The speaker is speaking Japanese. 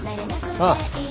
ああ。